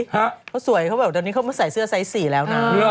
ฮะเขาสวยเขาแบบว่าเดินนี้เข้ามาใส่เสื้อไซส์สี่แล้วน้ำ